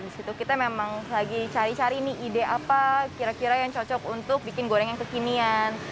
di situ kita memang lagi cari cari nih ide apa kira kira yang cocok untuk bikin goreng yang kekinian